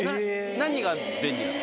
何が便利なの？